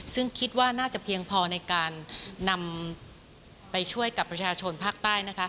ซึ่งคิดว่าน่าจะเพียงพอในการนำไปช่วยกับประชาชนภาคใต้นะคะ